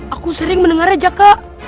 aku sering mendengarnya jaka